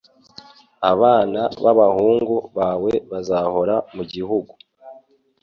ABAna babahungu bawe bazahora mugihugu